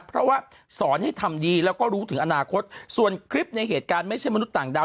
เพราะว่าสอนให้ทำดีแล้วก็รู้ถึงอนาคตส่วนคลิปในเหตุการณ์ไม่ใช่มนุษย์ต่างดาว